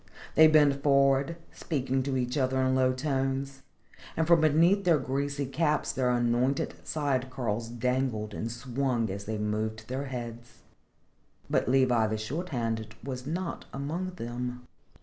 They bent forward, speaking to each other in low tones, and from beneath their greasy caps their anointed side curls dangled and swung as they moved their heads. But Levi the Short handed was not among them.